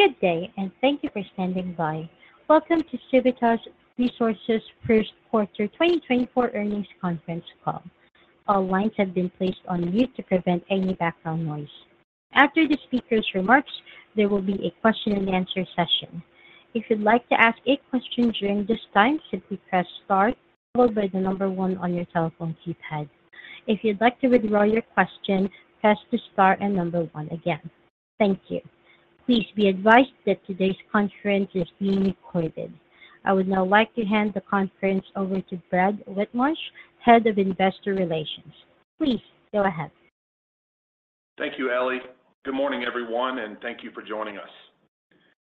Good day, and thank you for standing by. Welcome to Civitas Resources First Quarter 2024 Earnings Conference Call. All lines have been placed on mute to prevent any background noise. After the speaker's remarks, there will be a question and answer session. If you'd like to ask a question during this time, simply press star followed by the number one on your telephone keypad. If you'd like to withdraw your question, press the star and number one again. Thank you. Please be advised that today's conference is being recorded. I would now like to hand the conference over to Brad Whitmarsh, Head of Investor Relations. Please go ahead. Thank you, Allie. Good morning, everyone, and thank you for joining us.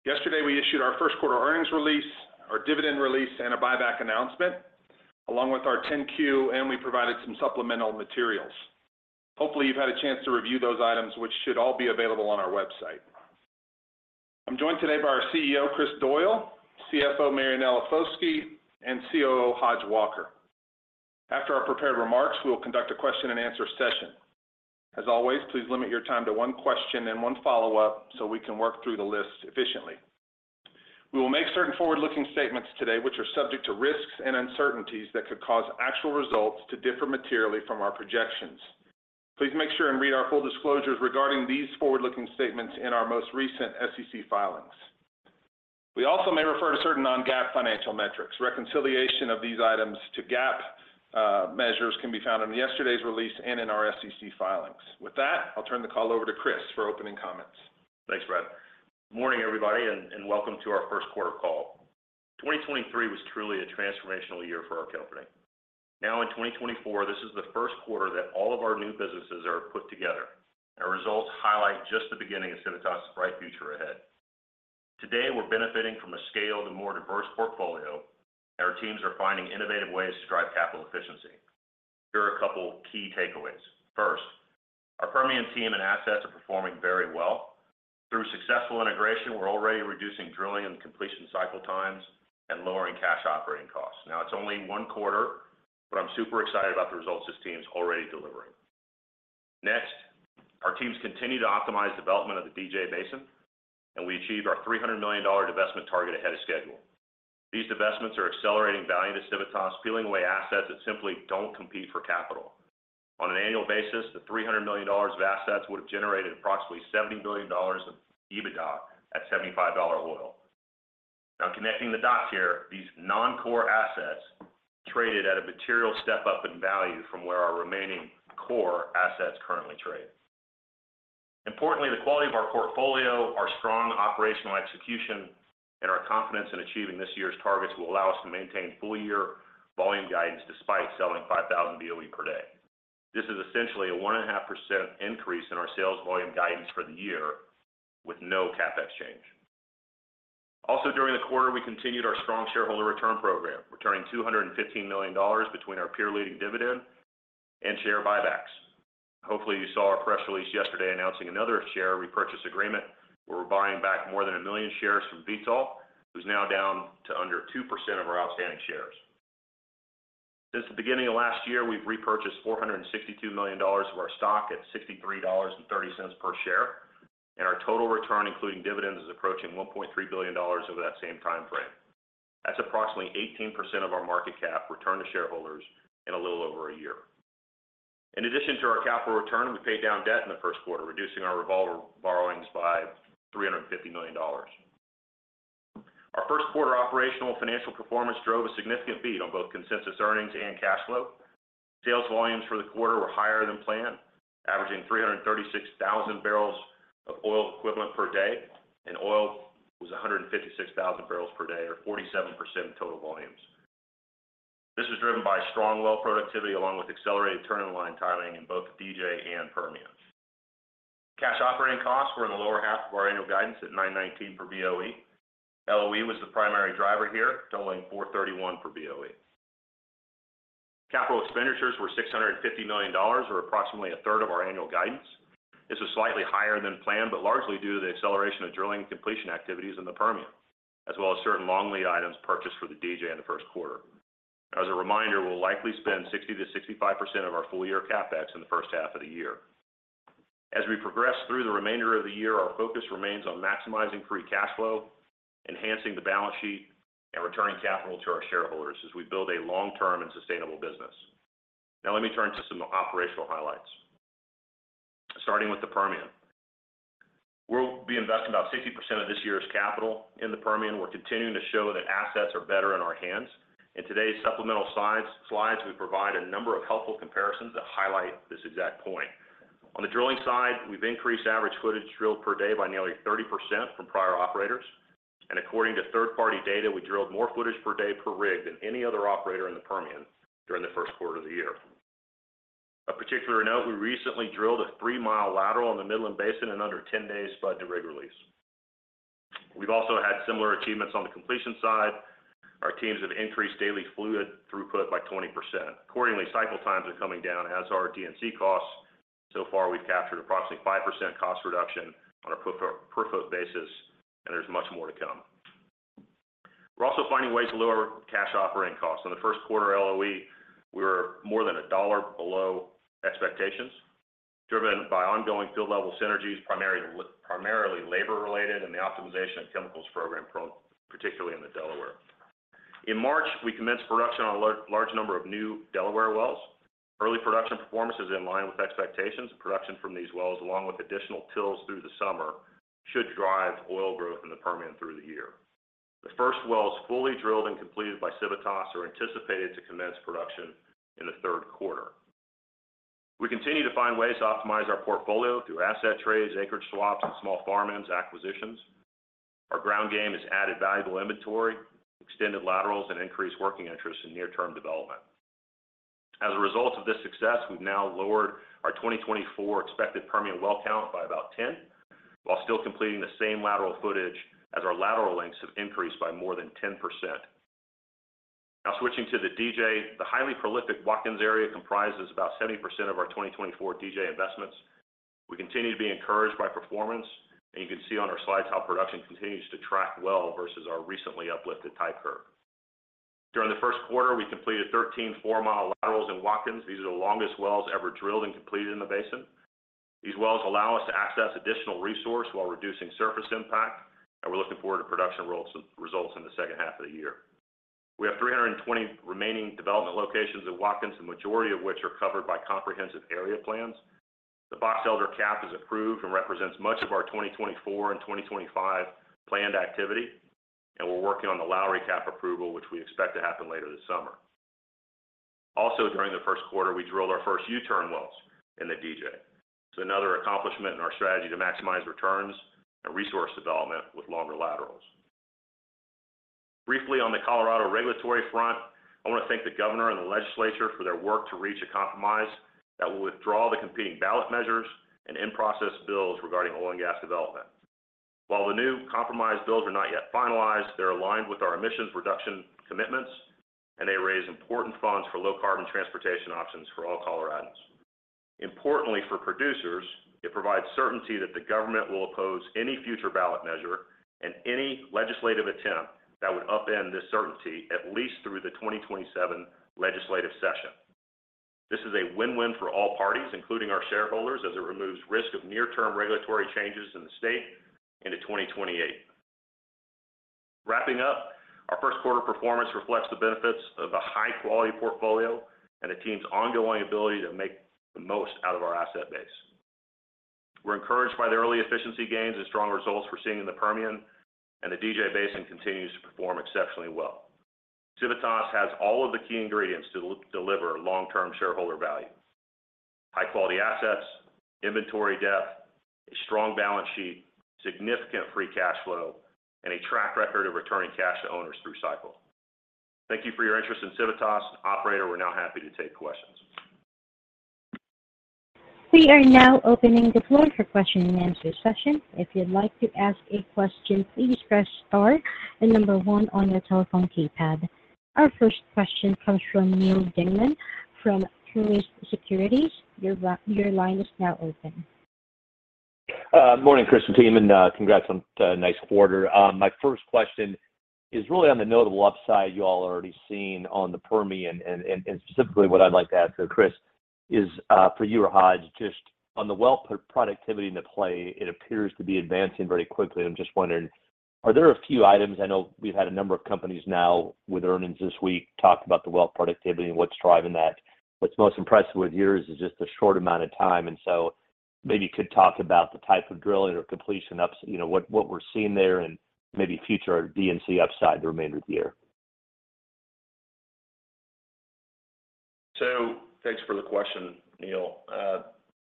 Yesterday, we issued our first quarter earnings release, our dividend release, and a buyback announcement, along with our 10-Q, and we provided some supplemental materials. Hopefully, you've had a chance to review those items, which should all be available on our website. I'm joined today by our CEO, Chris Doyle, CFO, Marianella Foschi, and COO, Hodge Walker. After our prepared remarks, we will conduct a question and answer session. As always, please limit your time to one question and one follow-up so we can work through the list efficiently. We will make certain forward-looking statements today, which are subject to risks and uncertainties that could cause actual results to differ materially from our projections. Please make sure and read our full disclosures regarding these forward-looking statements in our most recent SEC filings. We also may refer to certain non-GAAP financial metrics. Reconciliation of these items to GAAP measures can be found in yesterday's release and in our SEC filings. With that, I'll turn the call over to Chris for opening comments. Thanks, Brad. Morning, everybody, and welcome to our first quarter call. 2023 was truly a transformational year for our company. Now, in 2024, this is the first quarter that all of our new businesses are put together. Our results highlight just the beginning of Civitas' bright future ahead. Today, we're benefiting from a scaled and more diverse portfolio, and our teams are finding innovative ways to drive capital efficiency. Here are a couple of key takeaways. First, our Permian team and assets are performing very well. Through successful integration, we're already reducing drilling and completion cycle times and lowering cash operating costs. Now, it's only one quarter, but I'm super excited about the results this team is already delivering. Next, our teams continue to optimize development of the DJ Basin, and we achieved our $300 million divestment target ahead of schedule. These divestments are accelerating value to Civitas, peeling away assets that simply don't compete for capital. On an annual basis, the $300 million of assets would have generated approximately $70 million of EBITDA at $75 oil. Now, connecting the dots here, these non-core assets traded at a material step up in value from where our remaining core assets currently trade. Importantly, the quality of our portfolio, our strong operational execution, and our confidence in achieving this year's targets will allow us to maintain full year volume guidance despite selling 5,000 BOE per day. This is essentially a 1.5% increase in our sales volume guidance for the year with no CapEx change. Also, during the quarter, we continued our strong shareholder return program, returning $215 million between our peer-leading dividend and share buybacks. Hopefully, you saw our press release yesterday announcing another share repurchase agreement, where we're buying back more than a million shares from Vitol, who's now down to under 2% of our outstanding shares. Since the beginning of last year, we've repurchased $462 million of our stock at $63.30 per share, and our total return, including dividends, is approaching $1.3 billion over that same time frame. That's approximately 18% of our market cap returned to shareholders in a little over a year. In addition to our capital return, we paid down debt in the first quarter, reducing our revolver borrowings by $350 million. Our first quarter operational financial performance drove a significant beat on both consensus earnings and cash flow. Sales volumes for the quarter were higher than planned, averaging 336,000 barrels of oil equivalent per day, and oil was 156,000 bbl per day, or 47% of total volumes. This was driven by strong well productivity, along with accelerated turn-in-line timing in both DJ and Permian. Cash operating costs were in the lower half of our annual guidance at $9.19 per BOE. LOE was the primary driver here, totaling $4.31 per BOE. Capital expenditures were $650 million, or approximately a third of our annual guidance. This was slightly higher than planned, but largely due to the acceleration of drilling completion activities in the Permian, as well as certain long lead items purchased for the DJ in the first quarter. As a reminder, we'll likely spend 60%-65% of our full year CapEx in the first half of the year. As we progress through the remainder of the year, our focus remains on maximizing free cash flow, enhancing the balance sheet, and returning capital to our shareholders as we build a long-term and sustainable business. Now, let me turn to some operational highlights. Starting with the Permian. We'll be investing about 60% of this year's capital in the Permian. We're continuing to show that assets are better in our hands. In today's supplemental slides, we provide a number of helpful comparisons that highlight this exact point. On the drilling side, we've increased average footage drilled per day by nearly 30% from prior operators, and according to third-party data, we drilled more footage per day per rig than any other operator in the Permian during the first quarter of the year. Of particular note, we recently drilled a 3 mi lateral in the Midland Basin in under 10 days spud to rig release. We've also had similar achievements on the completion side. Our teams have increased daily fluid throughput by 20%. Accordingly, cycle times are coming down, as are D&C costs. So far, we've captured approximately 5% cost reduction on a per, per foot basis, and there's much more to come... also finding ways to lower cash operating costs. In the first quarter, LOE, we were more than a dollar below expectations, driven by ongoing field-level synergies, primarily labor-related, and the optimization of chemicals program, particularly in the Delaware. In March, we commenced production on a large number of new Delaware wells. Early production performance is in line with expectations. Production from these wells, along with additional TILs through the summer, should drive oil growth in the Permian through the year. The first wells, fully drilled and completed by Civitas, are anticipated to commence production in the third quarter. We continue to find ways to optimize our portfolio through asset trades, acreage swaps, and small farm-ins acquisitions. Our ground game has added valuable inventory, extended laterals, and increased working interest in near-term development. As a result of this success, we've now lowered our 2024 expected Permian well count by about 10, while still completing the same lateral footage as our lateral lengths have increased by more than 10%. Now, switching to the DJ. The highly prolific Watkins area comprises about 70% of our 2024 DJ investments. We continue to be encouraged by performance, and you can see on our slides how production continues to track well versus our recently uplifted type curve. During the first quarter, we completed 13 4 mi laterals in Watkins. These are the longest wells ever drilled and completed in the basin. These wells allow us to access additional resource while reducing surface impact, and we're looking forward to production results in the second half of the year. We have 320 remaining development locations at Watkins, the majority of which are covered by comprehensive area plans. The Box Elder CAP is approved and represents much of our 2024 and 2025 planned activity, and we're working on the Lowry CAP approval, which we expect to happen later this summer. Also, during the first quarter, we drilled our first U-turn wells in the DJ. It's another accomplishment in our strategy to maximize returns and resource development with longer laterals. Briefly, on the Colorado regulatory front, I wanna thank the governor and the legislature for their work to reach a compromise that will withdraw the competing ballot measures and in-process bills regarding oil and gas development. While the new compromised bills are not yet finalized, they're aligned with our emissions reduction commitments, and they raise important funds for low carbon transportation options for all Coloradans. Importantly, for producers, it provides certainty that the government will oppose any future ballot measure and any legislative attempt that would upend this certainty, at least through the 2027 legislative session. This is a win-win for all parties, including our shareholders, as it removes risk of near-term regulatory changes in the state into 2028. Wrapping up, our first quarter performance reflects the benefits of a high-quality portfolio and the team's ongoing ability to make the most out of our asset base. We're encouraged by the early efficiency gains and strong results we're seeing in the Permian, and the DJ Basin continues to perform exceptionally well. Civitas has all of the key ingredients to deliver long-term shareholder value: high-quality assets, inventory depth, a strong balance sheet, significant free cash flow, and a track record of returning cash to owners through cycle. Thank you for your interest in Civitas. Operator, we're now happy to take questions. We are now opening the floor for question and answer session. If you'd like to ask a question, please press star and number one on your telephone keypad. Our first question comes from Neal Dingmann from Truist Securities. Your line is now open. Good morning, Chris and team, and congrats on the nice quarter. My first question is really on the notable upside you all already seen on the Permian, and specifically, what I'd like to ask, Chris, is for you or Hodge, just on the well productivity in the play. It appears to be advancing very quickly. I'm just wondering, are there a few items... I know we've had a number of companies now with earnings this week talk about the well productivity and what's driving that. What's most impressive with yours is just a short amount of time, and so maybe you could talk about the type of drilling or completion upsides, you know, what we're seeing there and maybe future D&C upside the remainder of the year. So thanks for the question, Neal.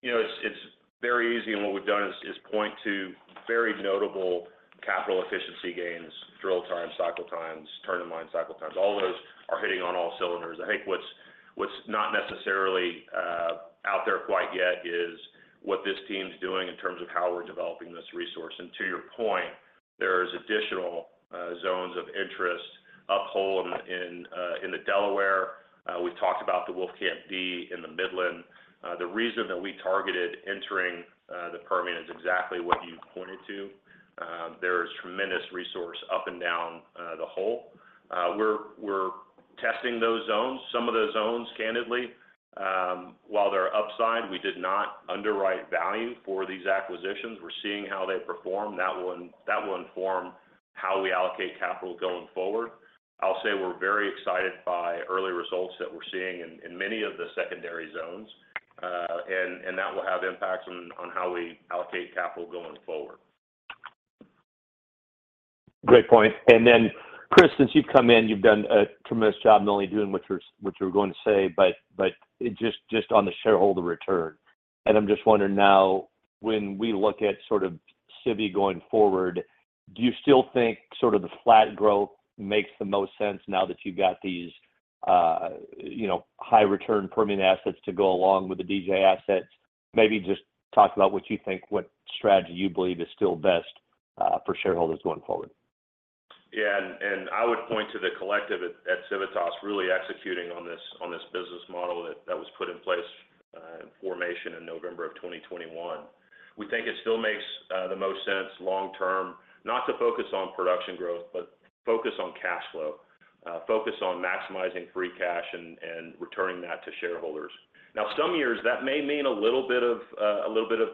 You know, it's very easy, and what we've done is point to very notable capital efficiency gains, drill times, cycle times, turn-in-line cycle times. All those are hitting on all cylinders. I think what's not necessarily out there quite yet is what this team's doing in terms of how we're developing this resource. And to your point, there is additional zones of interest uphole in the Delaware. We've talked about the Wolfcamp D in the Midland. The reason that we targeted entering the Permian is exactly what you pointed to. There is tremendous resource up and down the hole. We're testing those zones. Some of those zones, candidly, while they're upside, we did not underwrite value for these acquisitions. We're seeing how they perform. That will inform how we allocate capital going forward. I'll say we're very excited by early results that we're seeing in many of the secondary zones, and that will have impacts on how we allocate capital going forward. Great point. And then, Chris, since you've come in, you've done a tremendous job, not only doing what you're, what you were going to say, but, but it just, just on the shareholder return. And I'm just wondering now, when we look at sort of Civi going forward, do you still think sort of the flat growth makes the most sense now that you've got these, you know, high return Permian assets to go along with the DJ assets? Maybe just talk about what you think, what strategy you believe is still best, for shareholders going forward. Yeah, and I would point to the collective at Civitas really executing on this business model that was put in place at formation in November of 2021. We think it still makes the most sense long term, not to focus on production growth, but focus on cash flow. Focus on maximizing free cash and returning that to shareholders. Now, some years, that may mean a little bit of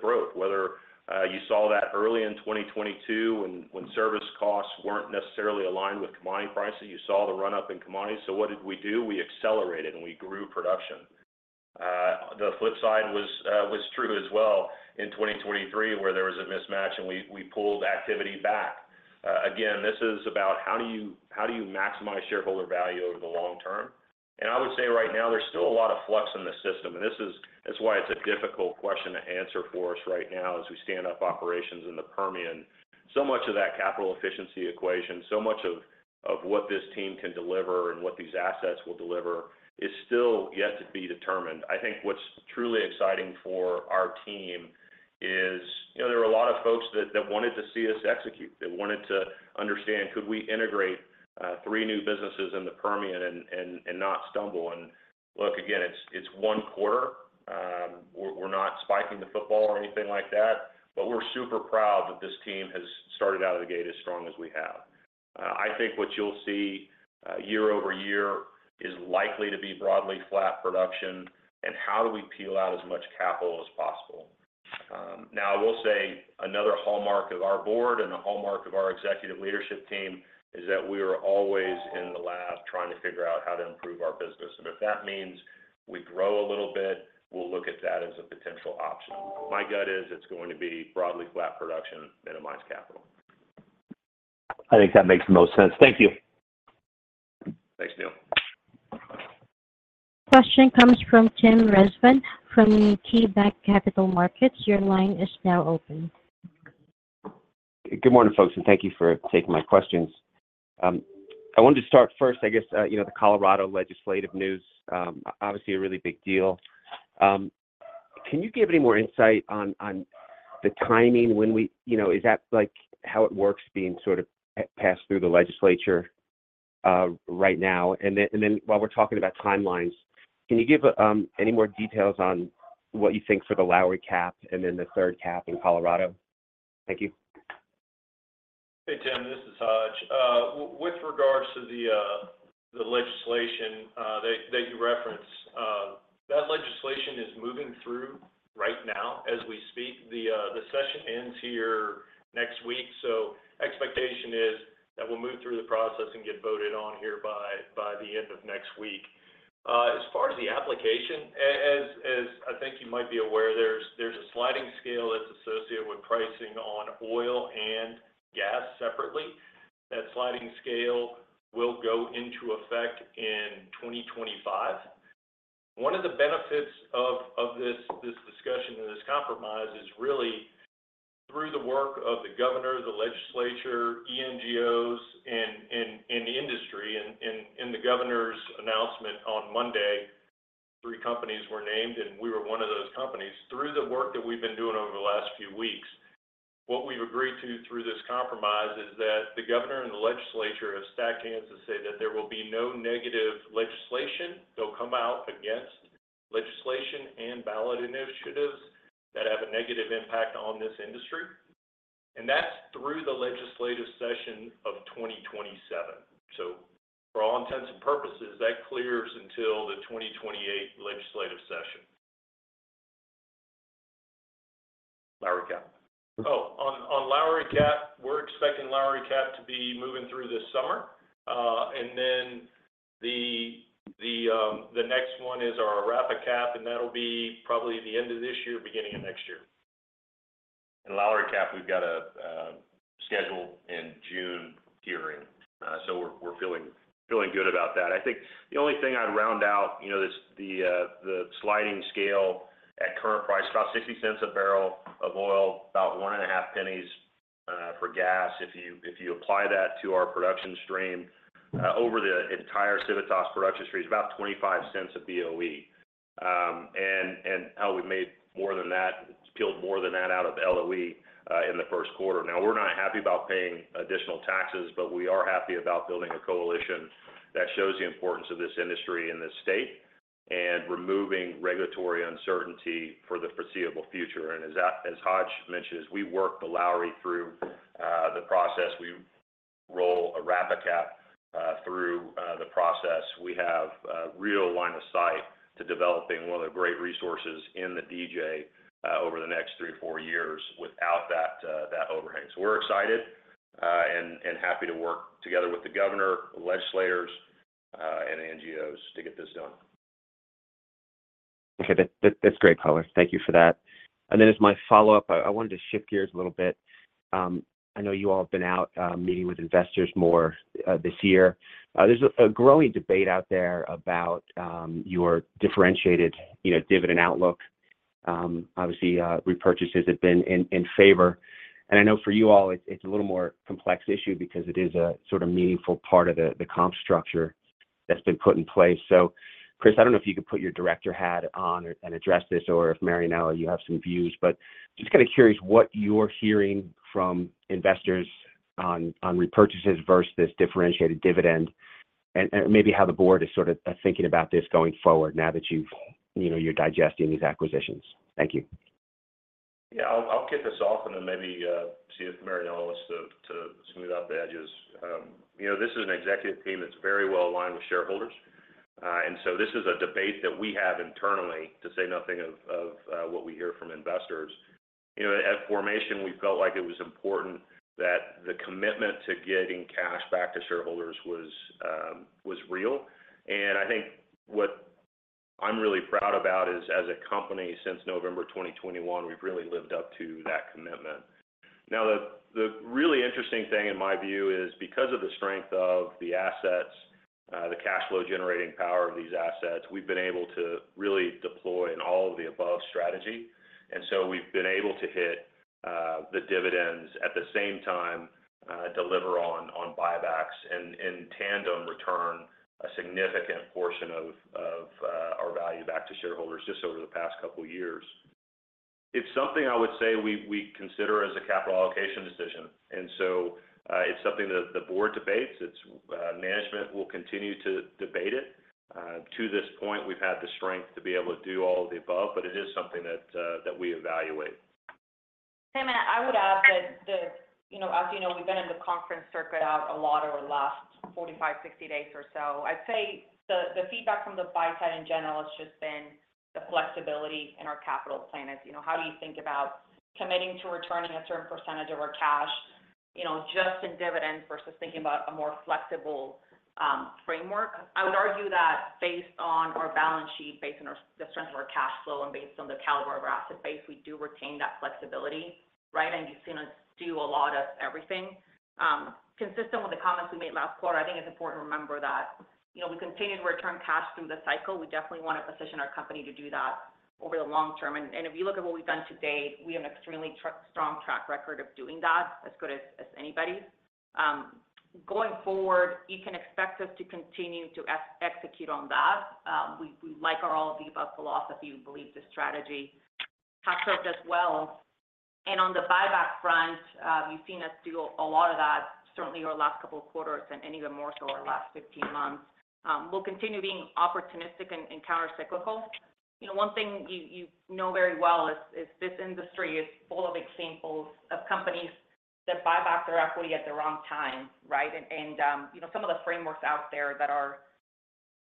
growth, whether you saw that early in 2022 when service costs weren't necessarily aligned with commodity pricing. You saw the run-up in commodities, so what did we do? We accelerated, and we grew production. The flip side was true as well in 2023, where there was a mismatch, and we pulled activity back. Again, this is about how do you, how do you maximize shareholder value over the long term? And I would say right now, there's still a lot of flux in the system, and this is—that's why it's a difficult question to answer for us right now as we stand up operations in the Permian. So much of that capital efficiency equation, so much of, of what this team can deliver and what these assets will deliver, is still yet to be determined. I think what's truly exciting for our team is, you know, there are a lot of folks that, that wanted to see us execute, that wanted to understand, could we integrate, three new businesses in the Permian and, and, and not stumble? And look, again, it's one quarter. We're not spiking the football or anything like that, but we're super proud that this team has started out of the gate as strong as we have. I think what you'll see year-over-year is likely to be broadly flat production, and how do we peel out as much capital as possible? Now, I will say another hallmark of our board and a hallmark of our executive leadership team is that we are always in the lab trying to figure out how to improve our business. And if that means we grow a little bit, we'll look at that as a potential option. My gut is it's going to be broadly flat production, minimized capital. I think that makes the most sense. Thank you. Thanks, Neal. Question comes from Tim Rezvan from KeyBanc Capital Markets. Your line is now open. Good morning, folks, and thank you for taking my questions. I wanted to start first, I guess, you know, the Colorado legislative news, obviously a really big deal. Can you give any more insight on, on the timing when we, you know, is that, like, how it works, being sort of passed through the legislature, right now? And then, and then while we're talking about timelines, can you give any more details on what you think for the Lowry CAP and then the third CAP in Colorado? Thank you. Hey, Tim, this is Hodge. With regards to the legislation that you referenced, that legislation is moving through right now as we speak. The session ends here next week, so expectation is that we'll move through the process and get voted on here by the end of next week. As far as the application, as I think you might be aware, there's a sliding scale that's associated with pricing on oil and gas separately. That sliding scale will go into effect in 2025. One of the benefits of this discussion and this compromise is really through the work of the governor, the legislature, ENGOs, and the industry. And in the governor's announcement on Monday, three companies were named, and we were one of those companies. Through the work that we've been doing over the last few weeks, what we've agreed to through this compromise is that the governor and the legislature have stacked hands to say that there will be no negative legislation. They'll come out against legislation and ballot initiatives that have a negative impact on this industry, and that's through the legislative session of 2027. So for all intents and purposes, that clears until the 2028 legislative session. Lowry CAP. Oh, on Lowry CAP, we're expecting Lowry CAP to be moving through this summer. And then the next one is our Arapahoe CAP, and that'll be probably the end of this year, beginning of next year. In Lowry CAP, we've got a scheduled June hearing, so we're feeling good about that. I think the only thing I'd round out, you know, this the sliding scale at current price, about $0.60 a barrel of oil, about $0.015 for gas. If you apply that to our production stream over the entire Civitas production stream, it's about $0.25 a BOE. And hell, we've made more than that, peeled more than that out of LOE in the first quarter. Now, we're not happy about paying additional taxes, but we are happy about building a coalition that shows the importance of this industry in this state and removing regulatory uncertainty for the foreseeable future. As Hodge mentioned, as we work the Lowry through the process, we roll Arapahoe CAP through the process. We have real line of sight to developing one of the great resources in the DJ over the next three, four years without that overhang. So we're excited and happy to work together with the governor, legislators, and NGOs to get this done. Okay. That's great color. Thank you for that. And then as my follow-up, I wanted to shift gears a little bit. I know you all have been out meeting with investors more this year. There's a growing debate out there about your differentiated, you know, dividend outlook. Obviously, repurchases have been in favor, and I know for you all, it's a little more complex issue because it is a sort of meaningful part of the comp structure that's been put in place. So, Chris, I don't know if you could put your director hat on and address this or if Marianella, you have some views. But just kind of curious what you're hearing from investors on repurchases versus this differentiated dividend?... and maybe how the board is sort of thinking about this going forward now that you've, you know, you're digesting these acquisitions. Thank you. Yeah, I'll kick this off, and then maybe see if Marianella wants to smooth out the edges. You know, this is an executive team that's very well aligned with shareholders. And so this is a debate that we have internally to say nothing of what we hear from investors. You know, at formation, we felt like it was important that the commitment to getting cash back to shareholders was real. And I think what I'm really proud about is, as a company, since November 2021, we've really lived up to that commitment. Now, the really interesting thing, in my view, is because of the strength of the assets, the cash flow generating power of these assets, we've been able to really deploy an all-of-the-above strategy. And so we've been able to hit the dividends at the same time, deliver on buybacks, and in tandem, return a significant portion of our value back to shareholders just over the past couple of years. It's something I would say we consider as a capital allocation decision, and so it's something that the board debates. It's management will continue to debate it. To this point, we've had the strength to be able to do all of the above, but it is something that we evaluate. Hey, man, I would add that the, you know, as you know, we've been in the conference circuit out a lot over the last 45, 60 days or so. I'd say the feedback from the buy side in general has just been the flexibility in our capital plan. As you know, how do you think about committing to returning a certain percentage of our cash, you know, just in dividends versus thinking about a more flexible framework? I would argue that based on our balance sheet, based on our, the strength of our cash flow, and based on the caliber of our asset base, we do retain that flexibility, right? And you've seen us do a lot of everything. Consistent with the comments we made last quarter, I think it's important to remember that, you know, we continue to return cash through the cycle. We definitely want to position our company to do that over the long term. If you look at what we've done to date, we have an extremely strong track record of doing that, as good as anybody. Going forward, you can expect us to continue to execute on that. We like our all-of-the-above philosophy. We believe the strategy has served us well. On the buyback front, you've seen us do a lot of that, certainly over the last couple of quarters and even more so our last 16 months. We'll continue being opportunistic and countercyclical. You know, one thing you know very well is this industry is full of examples of companies that buy back their equity at the wrong time, right? You know, some of the frameworks out there that are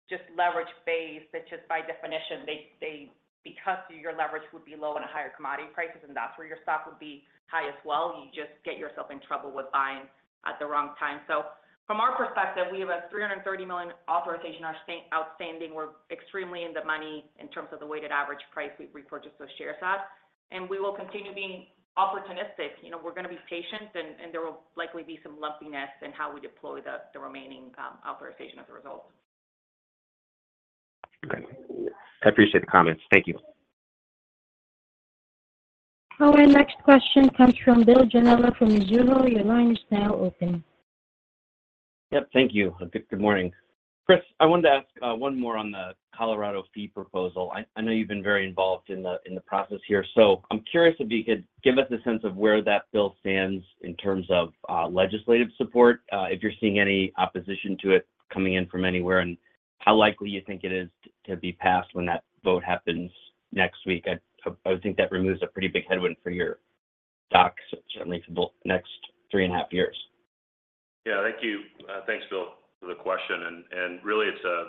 just leverage-based, that just by definition, they because your leverage would be low on higher commodity prices, and that's where your stock would be high as well, you just get yourself in trouble with buying at the wrong time. So from our perspective, we have a $330 million authorization outstanding. We're extremely in the money in terms of the weighted average price we've repurchased those shares at, and we will continue being opportunistic. You know, we're gonna be patient, and there will likely be some lumpiness in how we deploy the remaining authorization as a result. Okay. I appreciate the comments. Thank you. Our next question comes from Bill Janela from Mizuho. Your line is now open. Yep, thank you. Good morning. Chris, I wanted to ask one more on the Colorado fee proposal. I know you've been very involved in the process here, so I'm curious if you could give us a sense of where that bill stands in terms of legislative support, if you're seeing any opposition to it coming in from anywhere, and how likely you think it is to be passed when that vote happens next week? I would think that removes a pretty big headwind for your stocks, certainly for the next three and a half years. Yeah. Thank you. Thanks, Bill, for the question. Really, it's a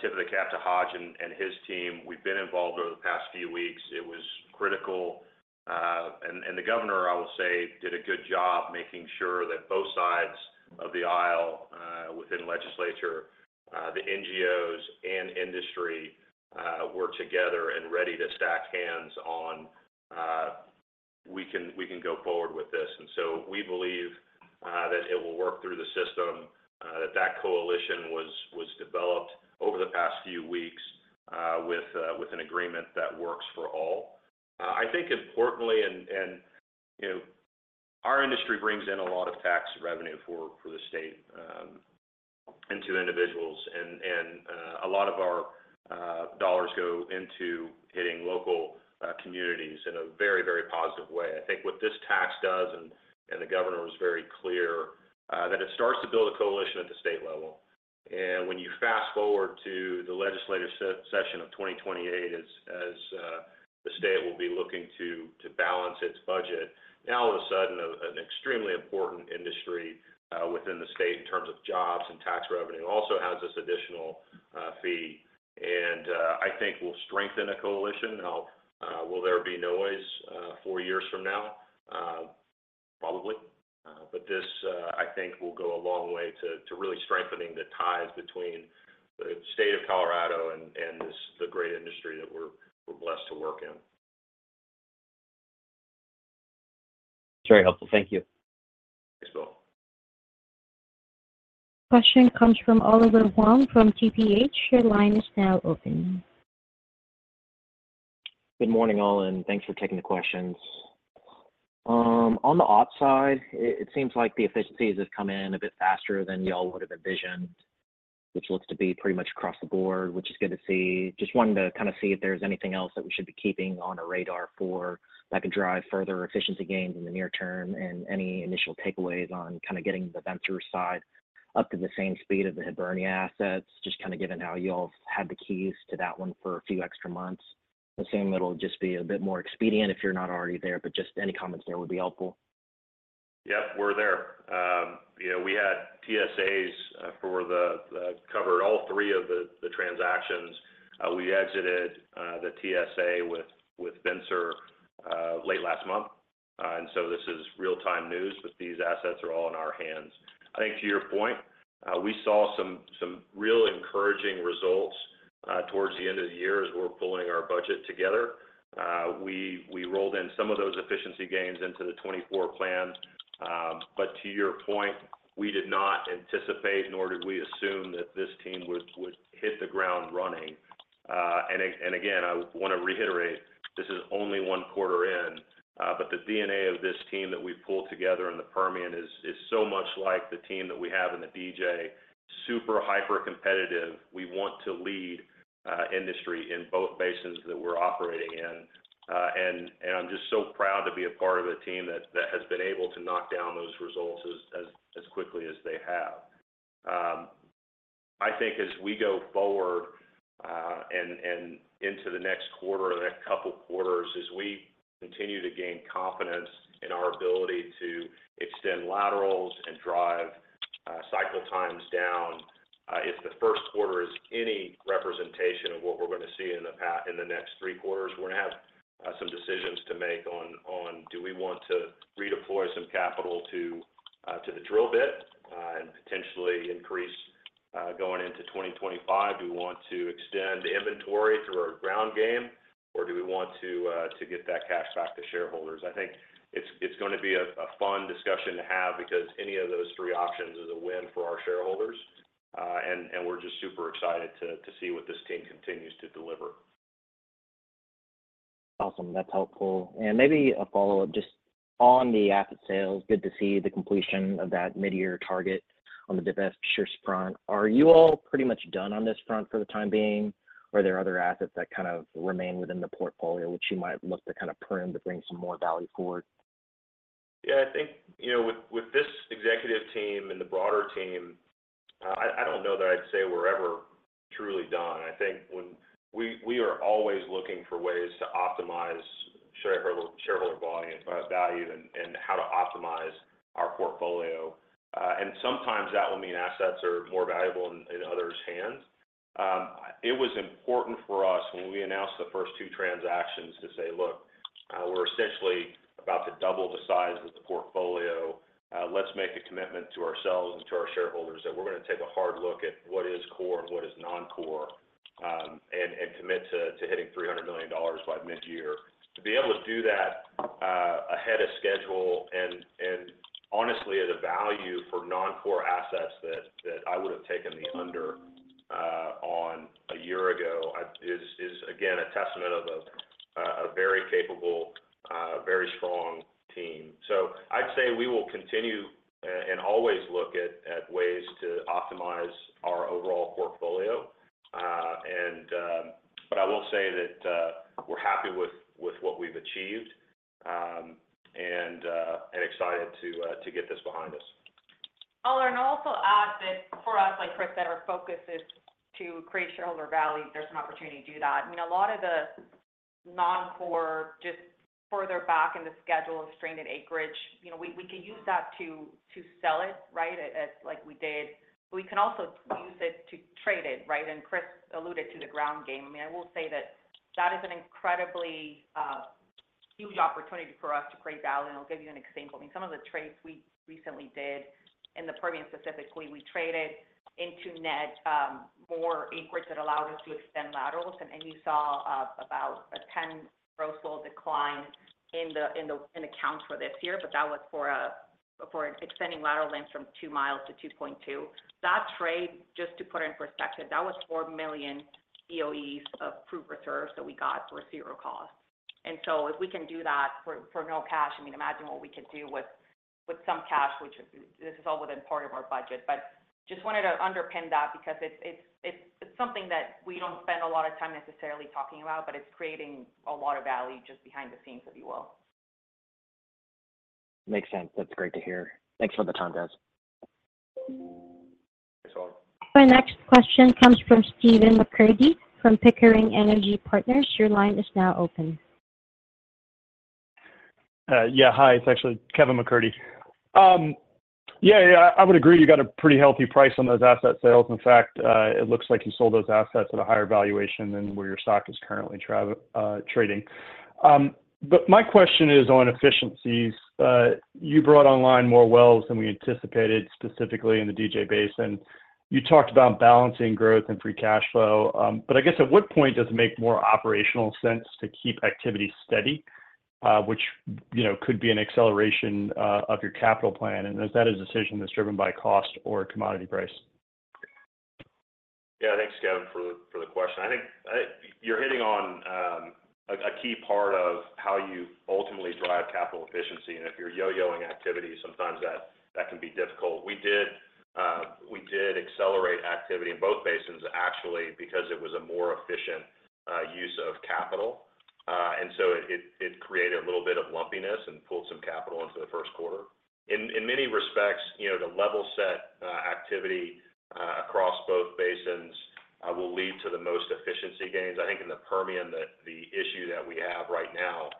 tip of the cap to Hodge and his team. We've been involved over the past few weeks. It was critical, and the governor, I will say, did a good job making sure that both sides of the aisle within legislature, the NGOs and industry were together and ready to shake hands on we can go forward with this. So we believe that it will work through the system that that coalition was developed over the past few weeks with an agreement that works for all. I think importantly, and you know, our industry brings in a lot of tax revenue for the state and to individuals, and a lot of our dollars go into hitting local communities in a very, very positive way. I think what this tax does, and the governor was very clear, that it starts to build a coalition at the state level. And when you fast forward to the legislative session of 2028, as the state will be looking to balance its budget, now all of a sudden, an extremely important industry within the state in terms of jobs and tax revenue, also has this additional fee. And I think we'll strengthen the coalition. Now, will there be noise four years from now? Probably. But this, I think, will go a long way to really strengthening the ties between the state of Colorado and this, the great industry that we're blessed to work in. It's very helpful. Thank you. Thanks, Bill. Question comes from Oliver Huang from TPH. Your line is now open. Good morning, all, and thanks for taking the questions. On the ops side, it seems like the efficiencies have come in a bit faster than you all would have envisioned, which looks to be pretty much across the board, which is good to see. Just wanted to kind of see if there's anything else that we should be keeping on a radar for that could drive further efficiency gains in the near term, and any initial takeaways on kind of getting the Vencer side up to the same speed of the Hibernia assets, just kind of given how you all had the keys to that one for a few extra months? Assuming it'll just be a bit more expedient if you're not already there, but just any comments there would be helpful. Yep, we're there. You know, we had TSAs for the covered all three of the transactions. We exited the TSA with Vencer late last month. And so this is real-time news, but these assets are all in our hands. I think to your point, we saw some real encouraging results towards the end of the year as we're pulling our budget together. We rolled in some of those efficiency gains into the 2024 plan. But to your point, we did not anticipate, nor did we assume that this team would hit the ground running. And again, I wanna reiterate, this is only one quarter in, but the DNA of this team that we've pulled together in the Permian is so much like the team that we have in the DJ, super hyper competitive. We want to lead industry in both basins that we're operating in. And I'm just so proud to be a part of a team that has been able to knock down those results as quickly as they have. I think as we go forward, and into the next quarter, the next couple quarters, as we continue to gain confidence in our ability to extend laterals and drive cycle times down, if the first quarter is any representation of what we're gonna see in the next three quarters, we're gonna have some decisions to make on, do we want to redeploy some capital to the drill bit, and potentially increase going into 2025? Do we want to extend inventory through our ground game, or do we want to get that cash back to shareholders? I think it's gonna be a fun discussion to have because any of those three options is a win for our shareholders, and we're just super excited to see what this team continues to deliver. Awesome. That's helpful. Maybe a follow-up, just on the asset sales, good to see the completion of that mid-year target on the divestiture front. Are you all pretty much done on this front for the time being, or are there other assets that kind of remain within the portfolio, which you might look to kind of prune to bring some more value forward? Yeah, I think, you know, with this executive team and the broader team, I don't know that I'd say we're ever truly done. I think we are always looking for ways to optimize shareholder value and how to optimize our portfolio. And sometimes that will mean assets are more valuable in others' hands. It was important for us when we announced the first two transactions to say, "Look, we're essentially about to double the size of the portfolio. Let's make a commitment to ourselves and to our shareholders that we're gonna take a hard look at what is core and what is non-core, and commit to hitting $300 million by mid-year." To be able to do that, ahead of schedule and honestly, at a value for non-core assets that I would have taken the under on a year ago, is again a testament of a very capable, very strong team. So I'd say we will continue and always look at ways to optimize our overall portfolio. But I will say that we're happy with what we've achieved and excited to get this behind us. Oh, and I'll also add that for us, like Chris said, our focus is to create shareholder value, if there's an opportunity to do that. I mean, a lot of the non-core, just further back in the schedule of stranded acreage, you know, we can use that to sell it, right, as like we did, but we can also use it to trade it, right? And Chris alluded to the ground game. I mean, I will say that that is an incredibly huge opportunity for us to create value, and I'll give you an example. I mean, some of the trades we recently did in the Permian, specifically, we traded into net more acreage that allowed us to extend laterals. And you saw about a 10 gross load decline in the count for this year, but that was for extending lateral lengths from 2 mi-2.2 mi. That trade, just to put it in perspective, that was 4 million BOEs of proved reserves that we got for zero cost. And so if we can do that for no cash, I mean, imagine what we could do with some cash, which is... This is all within part of our budget. But just wanted to underpin that because it's something that we don't spend a lot of time necessarily talking about, but it's creating a lot of value just behind the scenes, if you will. Makes sense. That's great to hear. Thanks for the time, guys. Thanks, Ol. Our next question comes from Steven MacCurdy from Pickering Energy Partners. Your line is now open. Yeah. Hi, it's actually Kevin MacCurdy. Yeah, yeah, I would agree, you got a pretty healthy price on those asset sales. In fact, it looks like you sold those assets at a higher valuation than where your stock is currently trading. But my question is on efficiencies. You brought online more wells than we anticipated, specifically in the DJ Basin. You talked about balancing growth and free cash flow, but I guess at what point does it make more operational sense to keep activity steady, which, you know, could be an acceleration of your capital plan? And is that a decision that's driven by cost or commodity price? Yeah. Thanks, Kevin, for the question. I think you're hitting on a key part of how you ultimately drive capital efficiency, and if you're yo-yoing activity, sometimes that can be difficult. We did accelerate activity in both basins, actually, because it was a more efficient use of capital. And so it created a little bit of lumpiness and pulled some capital into the first quarter. ...In many respects, you know, the level set activity across both basins will lead to the most efficiency gains. I think in the Permian, the issue that we have right now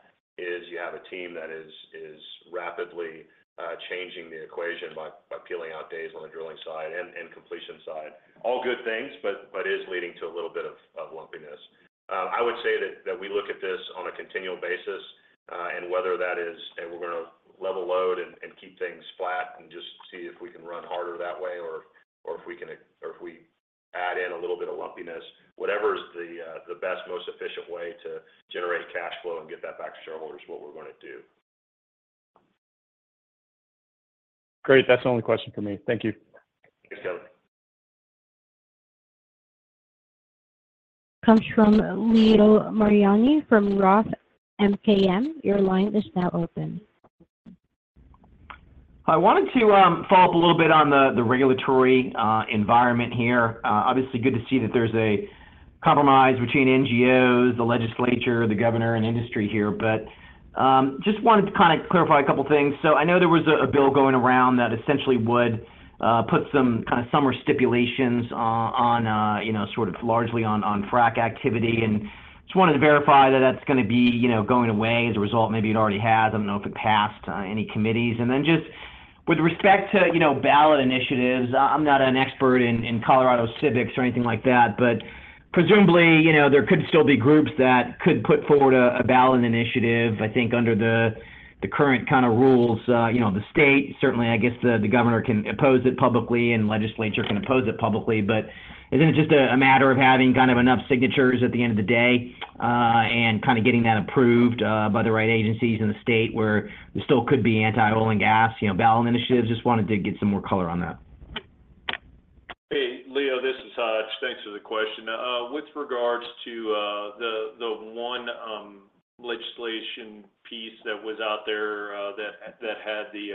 is you have a team that is rapidly changing the equation by peeling out days on the drilling side and completion side. All good things, but it is leading to a little bit of lumpiness. I would say that we look at this on a continual basis, and whether that is, and we're gonna level load and keep things flat and just see if we can run harder that way, or if we can-- or if we add in a little bit of lumpiness. Whatever is the best, most efficient way to generate cash flow and get that back to shareholders is what we're gonna do. Great. That's the only question for me. Thank you. Thanks, Kevin. Comes from Leo Mariani from Roth MKM. Your line is now open. I wanted to follow up a little bit on the regulatory environment here. Obviously, good to see that there's a compromise between NGOs, the legislature, the governor, and industry here. But just wanted to kinda clarify a couple of things. So I know there was a bill going around that essentially would put some kinda summer stipulations on you know, sort of largely on frack activity, and just wanted to verify that that's gonna be you know, going away as a result. Maybe it already has. I don't know if it passed any committees. Then just with respect to, you know, ballot initiatives, I'm not an expert in Colorado civics or anything like that, but presumably, you know, there could still be groups that could put forward a ballot initiative, I think, under the current kinda rules. You know, the state, certainly, I guess, the governor can oppose it publicly, and legislature can oppose it publicly. But isn't it just a matter of having kind of enough signatures at the end of the day, and kinda getting that approved by the right agencies in the state, where there still could be anti-oil and gas, you know, ballot initiatives? Just wanted to get some more color on that. Hey, Leo, this is Hodge. Thanks for the question. With regards to the one legislation piece that was out there, that had the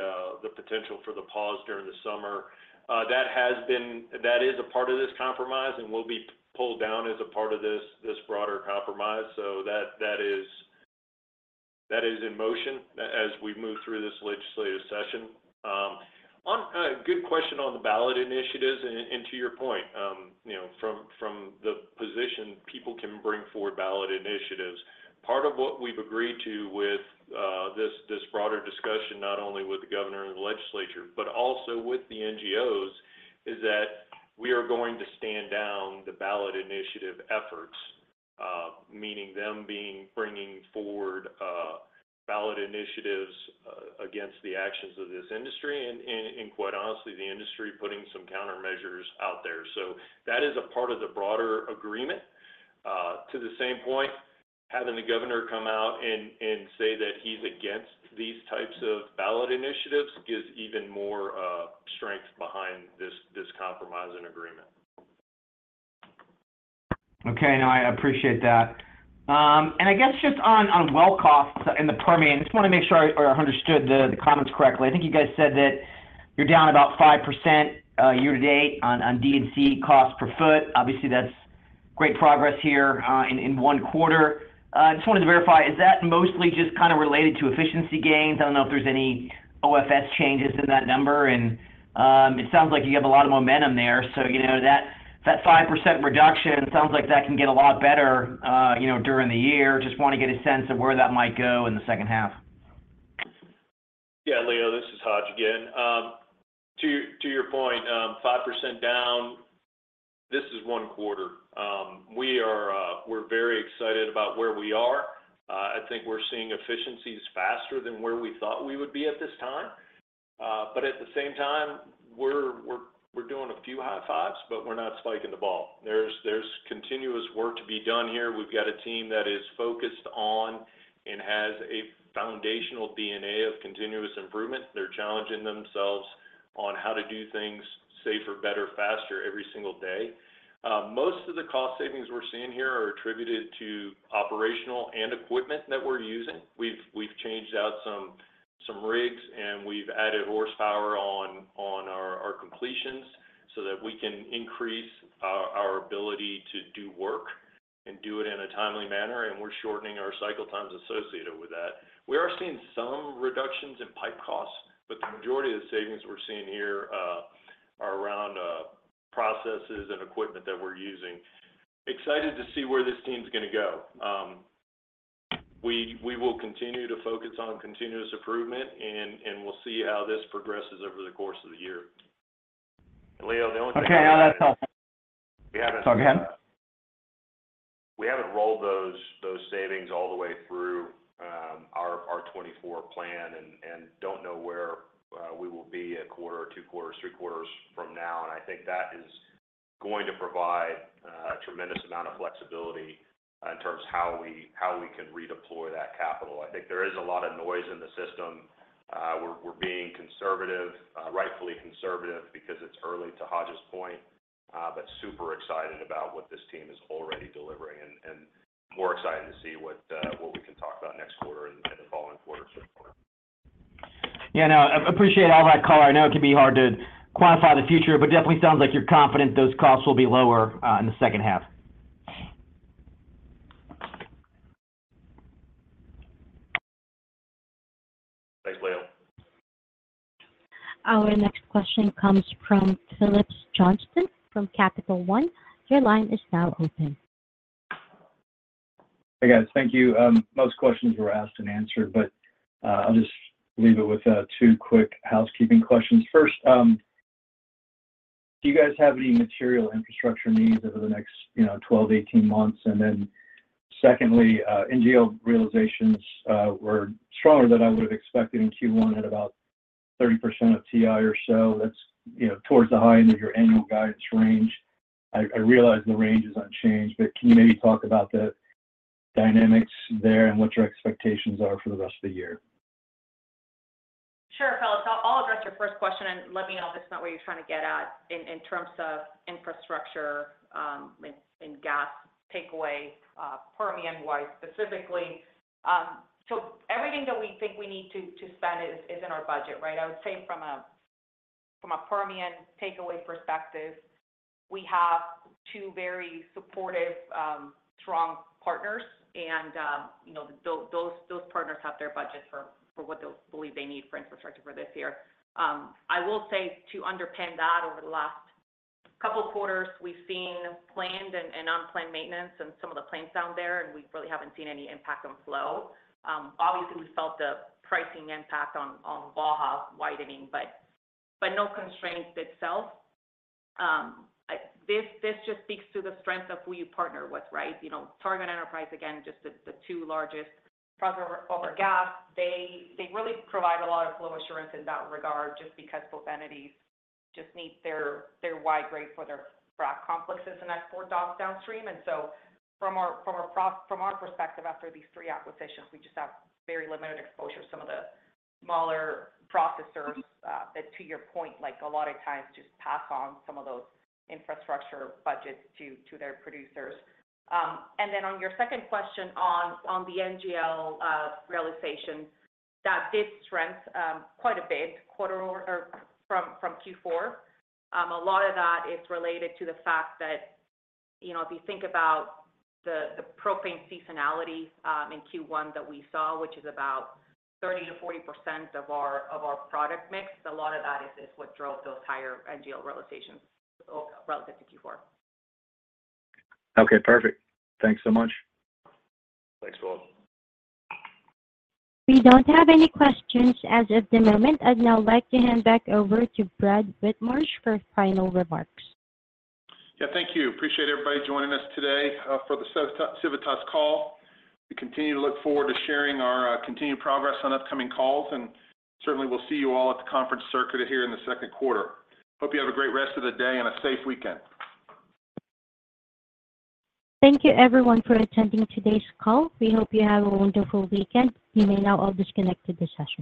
potential for the pause during the summer, that has been... That is a part of this compromise and will be pulled down as a part of this broader compromise. So that is in motion as we move through this legislative session. Good question on the ballot initiatives, and to your point, you know, from the position, people can bring forward ballot initiatives. Part of what we've agreed to with this broader discussion, not only with the governor and the legislature, but also with the NGOs, is that we are going to stand down the ballot initiative efforts, meaning them being bringing forward ballot initiatives against the actions of this industry, and quite honestly, the industry putting some countermeasures out there. So that is a part of the broader agreement. To the same point, having the governor come out and say that he's against these types of ballot initiatives, gives even more strength behind this compromise and agreement. Okay. No, I appreciate that. And I guess just on well costs in the Permian, I just wanna make sure I understood the comments correctly. I think you guys said that you're down about 5%, year to date on D&C costs per foot. Obviously, that's great progress here in one quarter. Just wanted to verify, is that mostly just kinda related to efficiency gains? I don't know if there's any OFS changes in that number. And it sounds like you have a lot of momentum there. So, you know, that 5% reduction sounds like that can get a lot better, you know, during the year. Just wanna get a sense of where that might go in the second half. Yeah, Leo, this is Hodge again. To your point, 5% down, this is one quarter. We're very excited about where we are. I think we're seeing efficiencies faster than where we thought we would be at this time. But at the same time, we're doing a few high fives, but we're not spiking the ball. There's continuous work to be done here. We've got a team that is focused on and has a foundational DNA of continuous improvement. They're challenging themselves on how to do things safer, better, faster every single day. Most of the cost savings we're seeing here are attributed to operational and equipment that we're using. We've changed out some rigs, and we've added horsepower on our completions so that we can increase our ability to do work and do it in a timely manner, and we're shortening our cycle times associated with that. We are seeing some reductions in pipe costs, but the majority of the savings we're seeing here are around processes and equipment that we're using. Excited to see where this team's gonna go. We will continue to focus on continuous improvement, and we'll see how this progresses over the course of the year. Leo, the only thing- Okay, yeah, that's all. We haven't- Go ahead. We haven't rolled those savings all the way through our 2024 plan, and don't know where we will be a quarter, two quarters, three quarters from now, and I think that is going to provide tremendous amount of flexibility in terms of how we can redeploy that capital. I think there is a lot of noise in the system. We're being conservative, rightfully conservative, because it's early to Hodge's point, but super excited about what this team is already delivering and more excited to see what we can talk about next quarter and the following quarters as well. Yeah, I know. I appreciate all that color. I know it can be hard to quantify the future, but definitely sounds like you're confident those costs will be lower, in the second half.... Thanks, Leo. Our next question comes from Phillips Johnston from Capital One. Your line is now open. Hey, guys. Thank you. Most questions were asked and answered, but I'll just leave it with two quick housekeeping questions. First, do you guys have any material infrastructure needs over the next, you know, 12, 18 months? And then secondly, NGL realizations were stronger than I would have expected in Q1 at about 30% of TI or so. That's, you know, towards the high end of your annual guidance range. I, I realize the range is unchanged, but can you maybe talk about the dynamics there and what your expectations are for the rest of the year? Sure, Phillips. I'll, I'll address your first question, and let me know if it's not what you're trying to get at in, in terms of infrastructure, in, in gas takeaway, Permian-wide, specifically. So everything that we think we need to, to spend is, is in our budget, right? I would say from a, from a Permian takeaway perspective, we have two very supportive, strong partners, and, you know, those, those partners have their budgets for, for what they believe they need for infrastructure for this year. I will say to underpin that, over the last couple of quarters, we've seen planned and, and unplanned maintenance in some of the plants down there, and we really haven't seen any impact on flow. Obviously, we felt the pricing impact on, on Waha widening, but, but no constraints itself. I... This just speaks to the strength of who you partner with, right? You know, Targa, Enterprise, again, just the two largest processors of gas. They really provide a lot of flow assurance in that regard, just because both entities just need their Y-grade for their frac complexes and export docks downstream. And so from our perspective, after these three acquisitions, we just have very limited exposure to some of the smaller processors, that, to your point, like, a lot of times just pass on some of those infrastructure budgets to their producers. And then on your second question on the NGL realization, that did strengthen quite a bit quarter-over-quarter from Q4. A lot of that is related to the fact that, you know, if you think about the propane seasonality in Q1 that we saw, which is about 30%-40% of our product mix, a lot of that is what drove those higher NGL realizations relative to Q4. Okay, perfect. Thanks so much. Thanks, Phillips. We don't have any questions as of the moment. I'd now like to hand back over to Brad Whitmarsh for final remarks. Yeah, thank you. Appreciate everybody joining us today for the Civitas call. We continue to look forward to sharing our continued progress on upcoming calls, and certainly, we'll see you all at the conference circuit here in the second quarter. Hope you have a great rest of the day and a safe weekend. Thank you everyone for attending today's call. We hope you have a wonderful weekend. You may now all disconnect to this session.